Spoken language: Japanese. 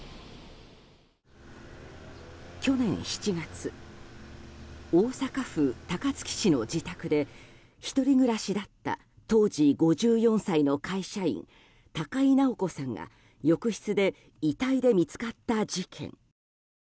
去年７月大阪府高槻市の自宅で１人暮らしだった当時５４歳の会社員高井直子さんが浴室で遺体で見つかった事件。